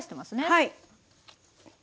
はい。